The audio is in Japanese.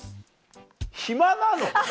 暇なの？